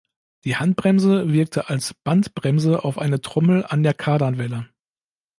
Die Handbremse wirkte als Bandbremse auf eine Trommel an der Kardanwelle.